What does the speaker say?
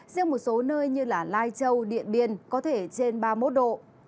riêng một số nơi như lai châu điện biên có thể trên ba mươi một độ